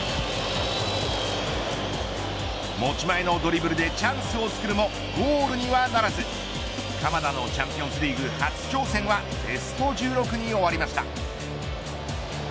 持ち前のドリブルでチャンスをつくるもゴールにはならず鎌田のチャンピオンズリーグ初挑戦はベスト１６に終わりました。